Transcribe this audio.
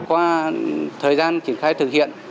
qua thời gian triển khai thực hiện